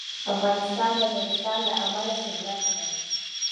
افغانستان د نورستان له امله شهرت لري.